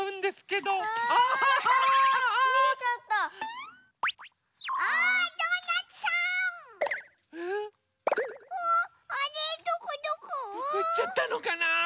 どこいっちゃったのかな？